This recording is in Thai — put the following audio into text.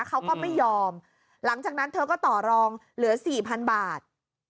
เขาก็ไม่ยอมหลังจากนั้นเธอก็ต่อรองเหลือสี่พันบาท